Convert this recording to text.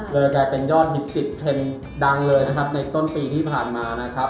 เลยกลายเป็นยอดฮิตติดเทรนด์ดังเลยนะครับในต้นปีที่ผ่านมานะครับ